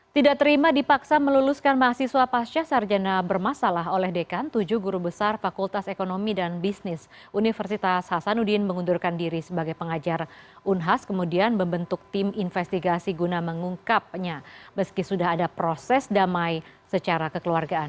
tidak terima dipaksa meluluskan mahasiswa pasca sarjana bermasalah oleh dekan tujuh guru besar fakultas ekonomi dan bisnis universitas hasanuddin mengundurkan diri sebagai pengajar unhas kemudian membentuk tim investigasi guna mengungkapnya meski sudah ada proses damai secara kekeluargaan